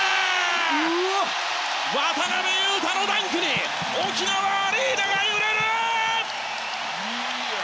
渡邊雄太のダンクに沖縄アリーナが揺れる！